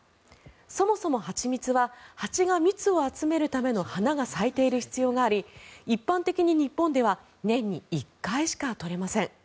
そもそも蜂蜜は蜂が蜜を集めるための花が咲いている必要があり一般的に日本では年に１回しか採れません。